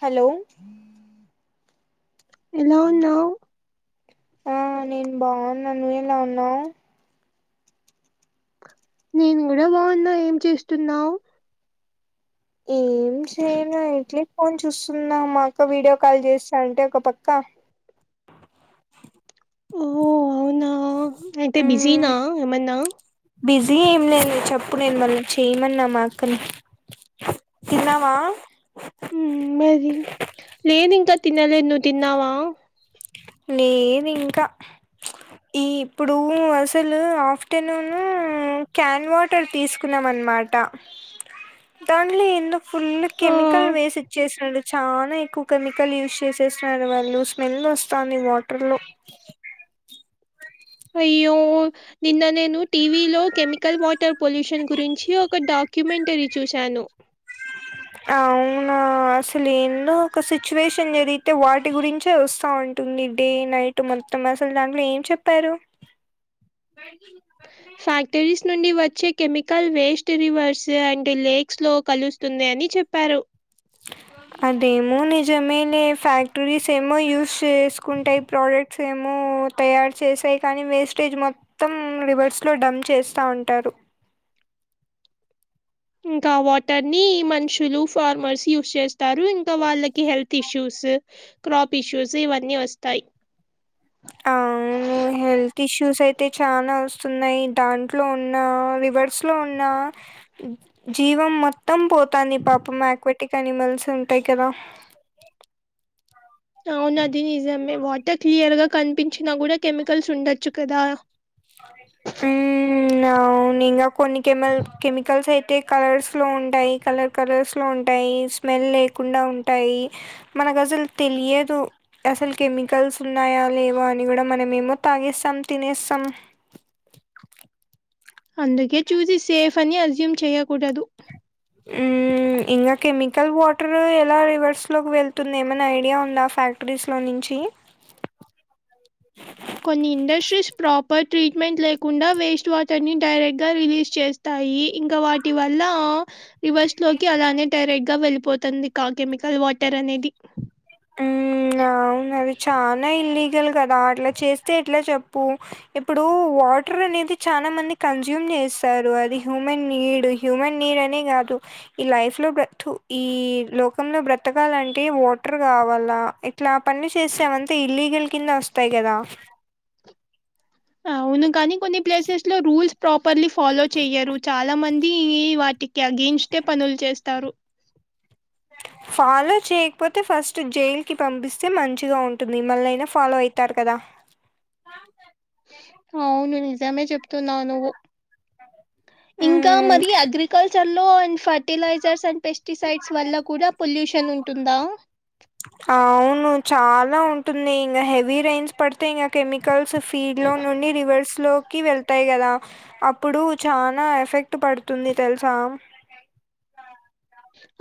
Hello ఎలా ఉన్నావు? ఆ నేను బావున్నా నువ్వెలా ఉన్నావు? నేను కూడా బావున్నా, ఏం చేస్తున్నావు? ఏం చేయను ఇట్లే ఫోన్ చూస్తున్నా మా అక్క వీడియో కాల్ చేస్తా అంటే ఒక పక్క అంటే మ్ బిజీనా ఏమన్నా? బిజీ ఏం లేదు చెప్పు నేను మళ్ళీ చేయమన్న మాక్కని తిన్నావా? ఉ మరి లేేనింకా తినలే నువ్ తిన్నావా? లేదింకా ఈ ఇప్పుడు అసలు ఆఫ్టర్నూన్ క్యాన్ వా ట్ తీసుకున్నాం అనమాట దానిలో ఎందు ఫుల్ ఆ! కెమికల్ వేసి ఇచ్చేసాడు. చానా ఎక్కువ కెమికల్ యూస్ చేసేస్తున్నాడు వాళ్ళు స్మెల్ వస్తాంది వాటర్ లో అయ్యో నిన్న నేను టీవీ లో కెమికల్ వాటర్ పొల్యూషన్ గురించి ఒక డాక్యుమెంటరీ చూశాను. అవునా అసలేన్న ఒక సిచ్యువేషన్ జరిగితే వాటి గురించే వస్తా ఉం టుంది డే నైట్ మొత్తం అసలు దాంట్లో ఏం చెప్పారు? వస్సే ఫ్యాక్టరీస్ నుండి వచ్చే కెమికల్ వేస్ట్ రివర్స్ అండ్ లేక్స్లో కలుస్తుంది అని చెప్పారు. అదేమో నిజమేనే ఫ్యాక్టరీస్ ఏమో యూస్ చేసుకుంటాయి ప్రోడక్ట్ సేము తయారు చేసాయి కానీ వేస్టేజ్ మొ మొత్తం రివర్స్ లో డంమ్ప్ చేస్తా ఉంటారు. ఇంకా వాటర్ ని మనుషులు ఫార్మర్స్ యూస్ చే తారు ఇంకా వాళ్ళకి హెల్త్ ఇష్యూస్, క్రాప్ ఇష్యూస్ ఇవన్నీ వస్తాయి. అవును. హెల్త్ ఇష్యూస్ అయితే చాలా వస్తున్నాయి దాంట్లో ఉన్న రివర్స్ లో ఉన్నా. జీవం మొత్తం పోతాంది పాప యాక్వటిక్ అనిమల్స్ ఉంటాయి కదా. అవునది నిజమే వాటర్ క్లియర్ గా కనిపించినా కూడా కెమికల్స్ ఉండొచ్చు కదా. హ నవును ఇంగా కొన్ని కెమల్ కెమికల్స్ అయితే. కలర్స్ లో ఉంటాయి కలర్ కలర్స్ లో ఉంటాయి స్మెల్ లేకుండా ఉంటాయి. మనకు అసలుతెలియదు. అసలు కెమికల్స్ ఉన్నాయా లేవా అని కూడా మనమ ఏమో తాగేస్తాం తినేస్తాం. అందుకే చూసి సేఫ్ అని అజ్యూమ్ చెయకూడదు. ఆ. ఇంకా కెమికల్ వాటర్ ఎలా రివర్స్లోకి వెళ్తుంది ఏమనా ఐడియా ఉందా ఫ్యాక్టరీస్లో నుంచి. కొన్ని ఇండస్ట్రీస్ ప్రాపర్ ట్రీట్మెంట్ లేకుండా వేస్ట్ వాటర్ ని డైరెక్ట్ గా రిలీజ్ చేస్త. వస్తాయి ఇంకా వాటి వల్ల. రివర్స్ లోకి అలానే డైరెక్ట్ గా వెళ్ళిపోతుంది కా కెమికల్ వాటర్ అనేది. ఉ అవున అది చనా ఇల్లీగల్ కదా అట్లా చేస్తే ఎట్లా చెప్పు. ఇప్పుడు వాటర్ అనేది చాలా మంది కన్జ్యూమ్ చేస్తారు అది హ్యూమన్ నీడ్. హ్యూమన్ నీడ్ అనే కాదు. ఈ లైఫ్ లో బ్ర ఈ లోకంలో బ్రతకాలంటే వాటర్. రావాలా ఇట్లా పని చేసేమంతా ఇల్లీగల్ కింద వస్తాయి కదా. అవును కాని కొన్ని ప్లేసెస్ లో రూల్స్ ప్రాపర్లీ ఫాలో చెయ్యరు చాలా మంది వాటి. ఎగైనిస్ట్టే పనులు చేస్తారు. స ఫాలో చేయకపోతే ఫస్ట్ జైల్కి పంపిస్తే మంచిగా ఉంటుంది మళ్ళయినా ఫాలో అవుతారు కదా. అవును నిజమే చెప్తున్నా నువ్వు. ఇంకా ఉమ్ మరి అగ్రికల్చర్ లో అండ్ ఫ. ఫర్టిలైజర్స్ అండ్ పెస్టిసైడ్స్ వల్ల కూడా పొల్యూషన్ ఉంటుందా. అవును చాలా ఉంటుంది ఇంకా హెవీ రేంజ్. పడితే ఇంకా కెమికల్స్ ఫీడ్ లో నుండి రివర్స్ లోకి వెళ్. ఎలా అప్పుడు చాలా ఎఫెక్ట్ పడుతుంది తెలుసా.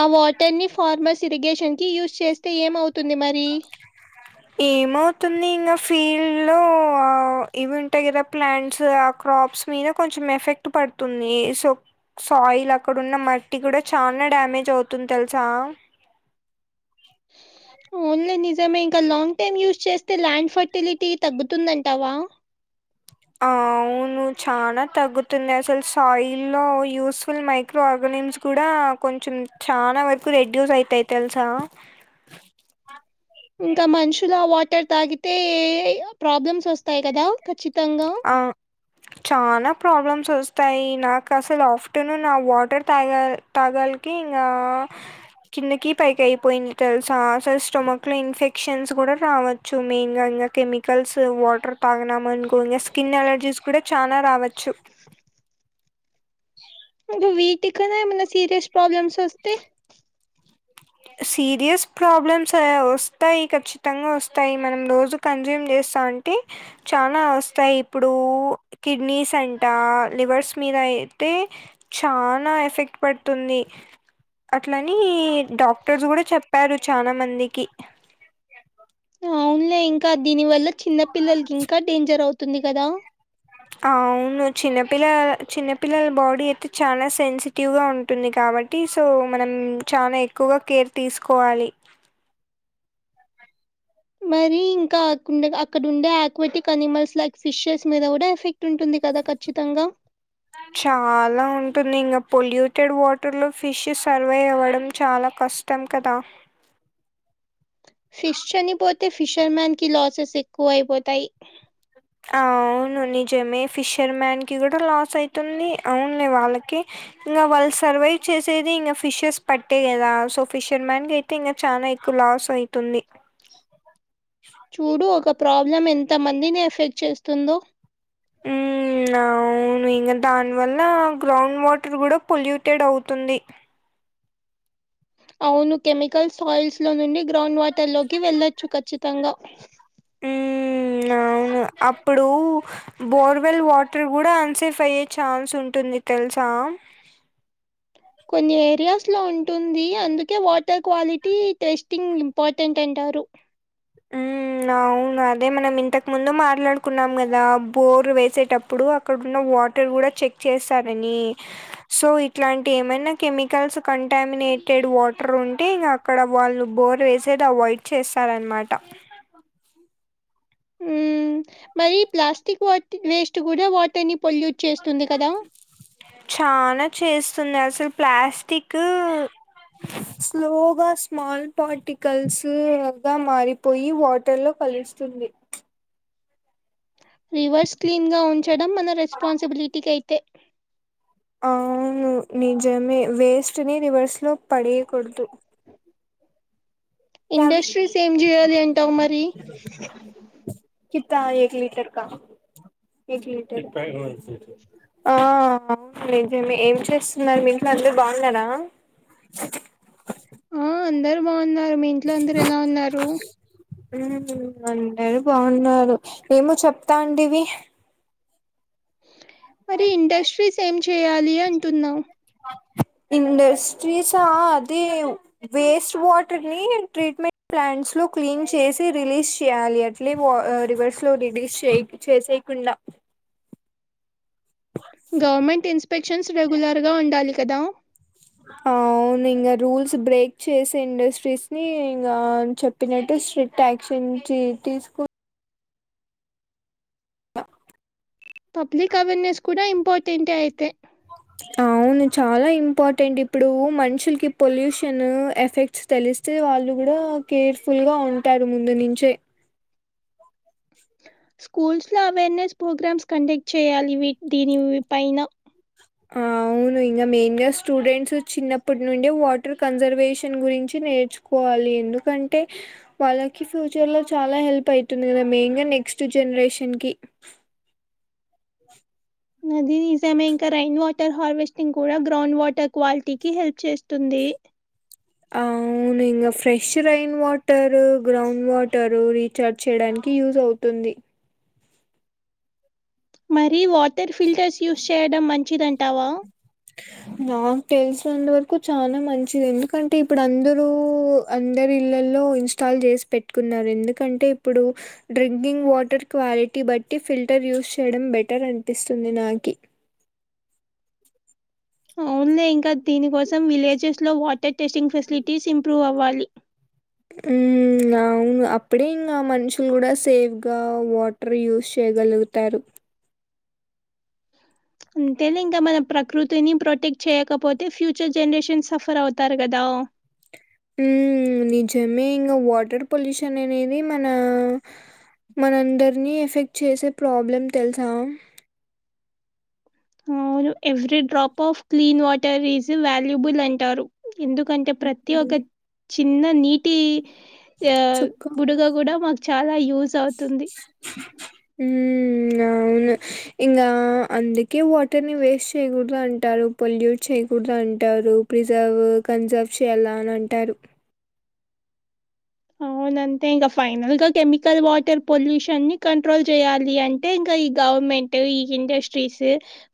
ఆ వాటర్ ని ఫార్మర్స్ ఇరిగేషన్ కి యూజ్ చేస్తే ఏమవుతుంది మరి. ఏమవుతుంది ఇంకా ఫీల్డ్ లో ఇవి ఉంటాయి కదా ప్లాంట్స్ ఆ క్రాప్స్. మీద కొంచెం ఎఫెక్ట్ పడుతుంది సో. సాయిల్ అక్కడ ఉన్న మట్టి కూడా చానా డ్యామేజ్ అవుతుంది తెలుసా. ఓన్లీ నిజమే ఇంకా లాంగ్ టైమ్ యూస్ చేస్తే ల్యాండ్ ఫర్టిలిటీ తగ్గుతుందంటావా. అవును చానా తగ్గుతున్నాయి అసలు సాయిల్ లో యూస్ఫుల్ మై. ఆర్గనిమ్స్ కూడా కొంచం చాలా వైపు రెడ్యూస్ అయితాయి తెలుసా. ఇంకా మనుషుల వాటర్ తాగితే ప్రాబ్లమ్స్ వస్తాయి కదా ఖచ్చితంగా. ఆ. చాలా ప్రాబ్లమ్స్ వస్తాయి నాకు అసలు ఆఫ్టర్నూన్ నా వాటర్ తాగల్. తగాల్ కి ఇంగా. కిందకి పైకి అయిపోయింది తెలుసా అసలు స్టొమక్ లో ఇన్ఫెక్షన్స్ కూడా రావచ్. చు మెన్ గా ఇంకా కెమికల్స్ వాటర్ టానమ అనుకోన్ అస్. స్కిన్ ఎలర్జీస్ కూడా చానా రావచ్చు. వీటికాన్నా ఎమన సీరియస్ ప్రాబ్లమ్స్ వస్తే సీరియస్ ప్రాబ్లమ్స్ వస్తాయి ఖచ్చితంగా వస్తాయి మనం రోజు కన్జ్యూమ్ చేస్తా అంటే చాలా వస్తాయి ఇప్పుడు కిడ్నీస్ అంట లివర్స్ మీద అయితే చానా ఎఫెక్ట్ పడుతుంది అట్లని డాక్టర్స్ కూడా చెప్పారు చాలా మందికి అవునులే ఇంకా దీని వల్ల చిన్న పిల్లలకి ఇంకా డేంజర్ అవుతుంది కదా అవును చిన్నపిల్ల చిన్నపిల్లల బాడీ అయితే చాలా సెన్సి టివ్ ఉంటుంది కాబట్టి సో మనం చాలా ఎక్కువగా కేర్ తీసుకోవాలి మరి ఇంకా అక్కడ ఉండే ఆయాక్వెటిక్ అనిమల్స్ లైక్ ఫిషెస్ మీద కూడా ఎఫెక్ట్ ఉంటుంది కదా ఖచ్చితంగా చాలా ఉంటుంది ఇంకా పొల్యూటెడ్ వాటర్ లో ఫిష్ సర్వైవ్ అవ్వడం చాలా క ష్టం కదా ఫిష్ చనిపోతే ఫిషర్ మన్ కి లాసెస్ ఎక్కువ అయిపోతాయి ఆ అవును నిజమే ఫిషర్ మ్యాన్కి కూడా లాస్ అవుతుంది అవునులే వాళ్ళకి ఇంకా వాళ్ళు సర్వైవ్ చేసేది ఇంకా ఫిషర్స్ పట్టే కదా సో ఫిషర్ మ్యాన్ ఇంగా చాలా ఎక్కువ లాస్ అయితుంది చూడు ఒక ప్రాబ్లం ఎంత మందిని ఎఫెక్ట్ చేస్తుందో ఉమ్ అవును ఇంకా దానివల్ల గ్రౌండ్ వాటర్ కూడా పొల్యూటెడ్ అవుతుంది అవును కెమికల్స్ ఆయిల్స్ లో నుండి గ్రౌండ్ వాటర్ లోకి వెళ్ళొచ్చు ఖచ్చితంగా ఉమ్ అవును అప్పుడు బోర్వెల్ వాటర్ కూడా అన్సేఫ్ అయ్యే ఛాన్స్ ఉంటుంది తెలుసా కొన్ని ఏరియాస్ లో ఉంటుంది అందుకే వాటర్ క్వాలిటీ టెస్టింగ్ పోతేంటంటారు ఉమ్ అవును అదే మనం ఇంతకు ముందు మాట్లాడుకున్నాం కదా బోర్ వేసేటప్పుడు అక్కడన్న వాటర్ కూడా చెక్ చేస్తారని సో ఇట్లాంటి ఏమైనా కెమికల్స్ కంటామినేటెడ్ వాటర్ ఉంటే అక్కడ వాళ్ళు బోర్ వేసేది అవాయిడ్ చేస్తారనమాట ఉ మరి ప్లాస్టిక్ వాట వేస్ట్ కూడా వాటర్ ని పొల్యూట్ చేస్ చనా చేస్తుంది అసలు ప్లాస్టిక్ స్లోగా స్మాల్ పార్టికల్స్గా మారిపోయి వాటర్లో కలుస్తుంది రివర్స్ క్లీన్ గా ఉంచడం మన రెస్పాన్సిబిలిటీకి అయితే అవును నిజమే వేస్ట్ ని రివర్స్ లో పడేయకూడదు క్యాబ్ ఇండస్ట్రీస్ ఏం చేయాలి అంటావు మరి కిత్త ఏక్ లీటర్ కా ఏక్ లీటర్ ఆ అవును నిజమే ఏం చేస్తున్నారు మీ ఇంట్లో అందరు బాగున్నారా ఆ అందరు బాగున్నారు మీ ఇంట్లో అందరు ఎలా ఉన్నారు అంటారు బాగున్నారు ఏమో చెప్తాండివి మరి ఇండస్ట్రీస్ ఏం చేయాలి అంటున్నా ఇండస్ట్రీస్ ఆ అదే వేస్ట్ వాటర్ ని ట్రీట్మెంట్ ప్లాంట్స్ లో క్లీన్ చేసి రిలీజ్ చేయాలి ఇలీ రివర్స్ లో రిడిస్ చే చేసయకుండా గవర్నమెంట్ ఇన్స్పెక్షన్స్ రెగ్యులర్ గా ఉండాలి కదా అవును ఇంకా రూల్స్ బ్రేక్ చేసే ఇండస్ట్రీస్ని ఇంగా చెప్ [unintelligible] స్ట్రిక్ట్ క్షన్ తీసుకు పబ్లిక్ అవేర్నెస్ కూడా ఇంపార్టెంటే అయితే అవును చాలా ఇంపార్టెంట్ ఇప్పుడు మనుషులకి పొల్యూషన్ ఎఫెక్ట్స్ తెలుస్ వస్తే వాళ్ళు కూడా కేర్ఫుల్ గా ఉంటారు ముందు నించే స్కూల్స్ లో అవేర్నెస్ ప్రోగ్రామ్స్ కండక్ట్ చేయాలి దీనిపైన ఆ అవును ఇంకా మెయిన్ గా స్టూడెంట్స్ చిన్నప్పటి నుండి వాటర్ కన్జర్వేషన్ గురించి నేర్చు కోవాలి ఎందుకంటే వాళ్ళకి ఫ్యూచర్ లో చాలా హెల్ప్ అయితుంది కదా మెయిన్ గా నెక్స్ట్ జనరేషన్కి నది నిజమే ఇంకా రైయిన్ వాటర్ హార్వెస్టింగ్ కూడా గ్రౌండ్ వాటర్ క్వాలిటీకిి హెల్ప్ చేస్తుంది అవును fresh rain water ground water రీ [unintelligible] చేయడానికి యూజ్ అవుతుంది మరి వాటర్ ఫిల్టర్స్ యూస్ చేయడం మంచిదింటావా నాకు తెలిసినంత వరకు చాలా మంచిది ఎందుకంటే ఇప్పుడు అందరుూ అందరి ఇళ్లల్లో ఇ ఇస్టాల్ చేసి పెట్టుకున్నారు ఎందుకంటే ఇప్పుడు డ్రింకింగ్ వాటర్ క్వాలిటీ బట్టి ఫిల్టర్ యూస్ చేయడం బెటర్ అనిపిస్తుంది నాకి అవునులే ఇంకా దీని కోసం విలేజెస్ లో వాటర్ టెస్టింగ్ ఫెసిలిటీస్ ఇంప్రూవ్ అవ్వాలి ఉ ఇను అప్పుడే ఇంకా మనుషులు కూడా సేఫ్గా వాటర్ యూస్ చేయగలుగుతారు అంతే ఇంకా మన ప్రకృతిని ప్రొటెక్ట్ చేయకపోతే ఫ్యూచర్ జనరేషన్స్ సఫర్ అవుతారు కదా నిజమే ఇంగ వాటర్ పొల్యూషన్ అనేది మన మనందరినీ ఎఫెక్ట్ చేసే ప్రాబ్లమ్ తెలుస అవును every drop of clean water is valuable అంటారు ఎందుకంటే ప్రతి ఒక ఉమ్, చిన్న నీటి ఆ చుక్క బుడుగ కూడ మాకు చాల యూజ్ అవుతుంది ఉ అవును ఇంకా అందుకే వాటర్ ని వేస్ట్ చేయ్యకూడదు అంటారు పొల్యూట్ చేయకూడదు అంటారు ప్రిజర్వ్ కన్జర్వ్ చేయ్యాల అని అంటారు అవునంటే ఇంకా ఫైనల్ గా కెమికల్ వాటర్ పొల్యూషన్ ని కంట్రోల్ చేయాలి అం అంటే ఇంక ఈ గవర్నమెంట్ ఈ industries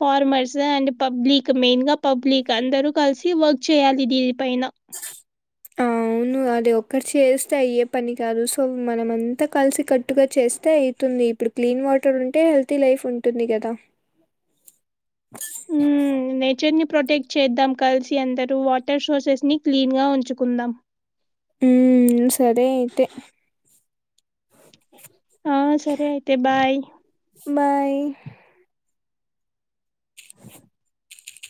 farmers and public main గా పబ్లిక్ అందరుూ కలిసి వర్క్ చేయాలి దీని పైన అవును అది ఒక్కటి చేస్తే అయ్యే పని కాదు సో మనం అంతా కలిసి కట్టుగా చేస్తే అవుతుంది ఇప్పుడు క్లీన్ వాటర్ ఉంటే హెల్తీ లైఫ్ ఉంటుంది కదా హు నేచర్ ని ప్రొటెక్ చేద్దాం కలిసి అందరూ వాటర్ సోర్సెస్ని క్లీన్గ ఉంచుకుందాం ఉ సరే అయితే ఆ సరే అయితే బాయ్ బాయ్ [inaudible]